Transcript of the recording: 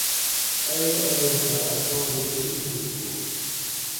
ائ ارو خہ اساں وجہ ایں تھو